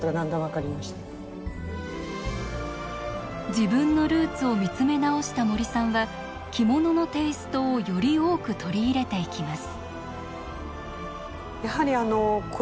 自分のルーツを見つめ直した森さんは着物のテイストをより多く取り入れていきます。